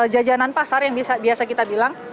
jajanan pasar yang biasa kita bilang